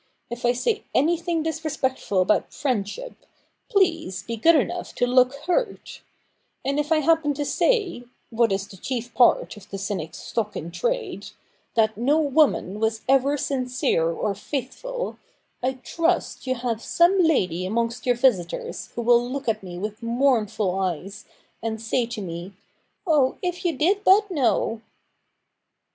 If I say anything dis respectful about friendship, please be good enough to look hurt ; and if I happen to say — what is the chief part of the cynic's stock in trade — that no woman was ever sincere or faithful, I trust you have some lady amongst your visitors who will look at me with mournful eyes, and say to me, " Ah, if you did but know